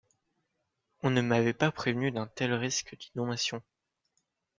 On ne m’avait pas prévenu d'un tel risque d'inondation.